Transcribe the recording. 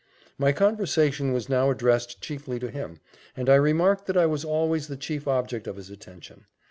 My conversation was now addressed chiefly to him, and I remarked that I was always the chief object of his attention.